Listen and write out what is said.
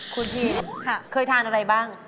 คุณพีชเคยทานอะไรบ้าง